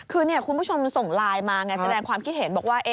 คือคุณผู้ชมส่งไลน์มาไงแสดงความคิดเห็นบอกว่า